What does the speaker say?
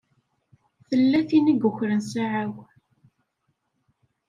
Tella tin i yukren ssaɛa-w.